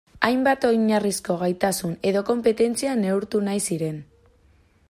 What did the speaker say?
Hainbat oinarrizko gaitasun edo konpetentzia neurtu nahi ziren.